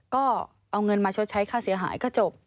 ก็เอาเงินมาชดใช้ค่าเสียหายก็จบ